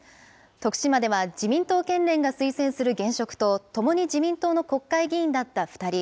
徳島では、自民党県連が推薦する現職とともに自民党の国会議員だった２人。